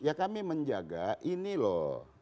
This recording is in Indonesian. ya kami menjaga ini loh